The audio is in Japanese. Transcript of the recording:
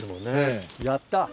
やった！